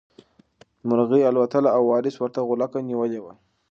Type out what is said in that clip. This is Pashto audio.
مرغۍ الوتله او وارث ورته غولکه نیولې وه.